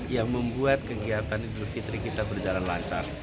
yang membuat kegiatan idul fitri kita berjalan lancar